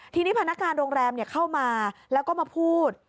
ทีนี้พนักงานโรงแรมเข้ามาแล้วก็มาพูด